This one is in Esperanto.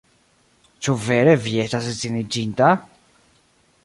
Ĉu vere vi estas edziniĝinta?